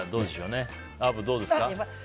アブ、どうですか？